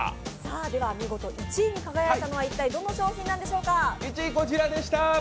では見事１位に輝いたのは一体、どの商品なのでしょうか。